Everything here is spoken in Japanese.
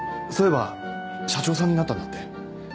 そういえば社長さんになったんだって。